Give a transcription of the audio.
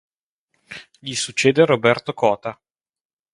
Gli succede Roberto Cota.